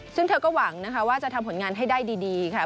ซึ่งเธอก็หวังนะคะว่าจะทำผลงานให้ได้ดีค่ะ